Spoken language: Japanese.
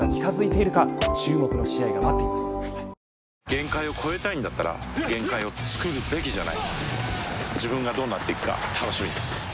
限界を越えたいんだったら限界をつくるべきじゃない自分がどうなっていくか楽しみです